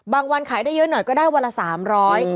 บางวันขายได้เยอะหน่อยก็ได้วันละสามร้อย